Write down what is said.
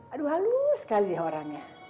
aduh halus sekali orangnya